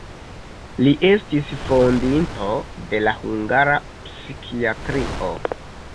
Li estis fondinto de la hungara psikiatrio.